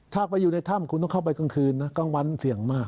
ถ้าไปอยู่ในถ้ำคุณต้องเข้าไปกลางคืนนะกลางวันเสี่ยงมาก